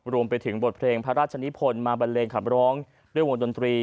รวมไปถึงบทเพลงพระราชนิพลมาบันเลงขับร้องด้วยวงดนตรี